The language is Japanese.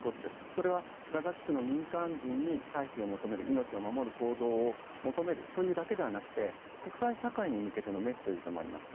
それはガザ地区の民間人に退避を求める命を守る行動を求めるだけではなくて国際社会に向けてのメッセージでもあります。